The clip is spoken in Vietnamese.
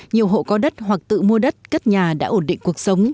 nhiều hộ có đất hoặc tự mua đất cất nhà đã ổn định cuộc sống